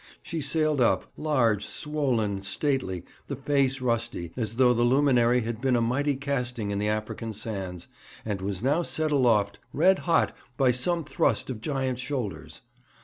She sailed up, large, swollen, stately, the face rusty, as though the luminary had been a mighty casting in the African sands, and was now sent aloft red hot by some thrust of giant shoulders.